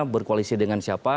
berkoalisi dengan siapa